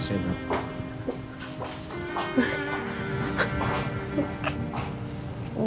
gimana keadaan anak kita